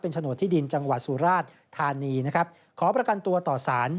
เป็นโฉนดที่ดินจังหวัดสุราชธานีขอประกันตัวต่อศาล